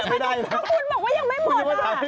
อันนี้เธอกูดีเค้าบอกว่ายังไม่หมด